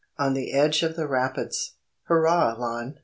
*ON THE EDGE OF THE RAPIDS.* "Hurrah, Lon!